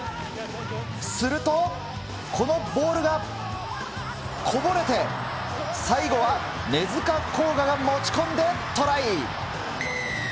すると、このボールがこぼれて、最後は根塚洸雅が持ち込んでトライ。